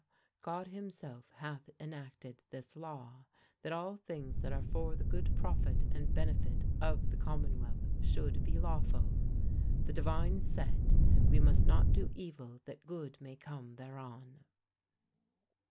God himself hath enacted this law, that all things that are for the good profit and benefit of the commonwealth should be lawful. "The divines said, We must not do evil that good may come thereon."